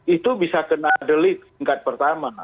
itu bisa kena delik tingkat pertama